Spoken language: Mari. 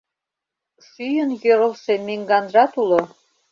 Шӱйын йӧрлшӧ меҥганжат уло.